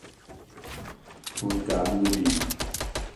Hûn dikarin bibînin